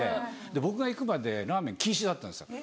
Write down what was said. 僕が行くまでラーメン禁止だったんですよ。